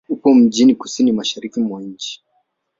Upo mjini kusini-mashariki mwa nchi.